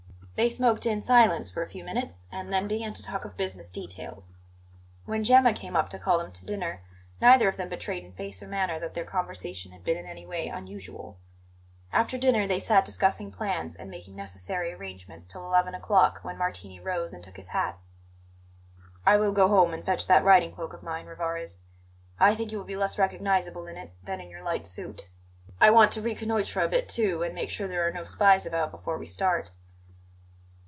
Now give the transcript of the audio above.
They smoked in silence for a few minutes, and then began to talk of business details. When Gemma came up to call them to dinner, neither of them betrayed in face or manner that their conversation had been in any way unusual. After dinner they sat discussing plans and making necessary arrangements till eleven o'clock, when Martini rose and took his hat. "I will go home and fetch that riding cloak of mine, Rivarez. I think you will be less recognizable in it than in your light suit. I want to reconnoitre a bit, too, and make sure there are no spies about before we start."